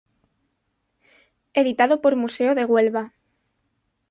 Editado por: Museo de Huelva.